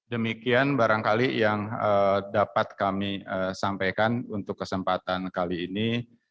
demikian barangkali yang dapat kami sampaikan untuk kesempatan kali ini